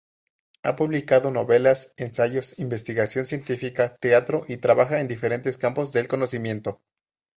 Ha publicado novelas, ensayos, investigación científica, teatro y trabaja en diferentes campos del conocimiento.